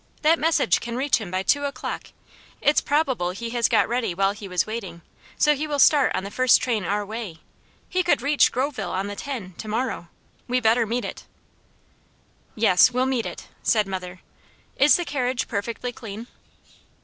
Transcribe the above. That message can reach him by two o'clock, it's probable he has got ready while he was waiting, so he will start on the first train our way. He could reach Groveville on the ten, to morrow. We better meet it." "Yes, we'll meet it," said mother. "Is the carriage perfectly clean?"